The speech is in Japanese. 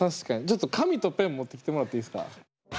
ちょっと紙とペン持ってきてもらっていいですか？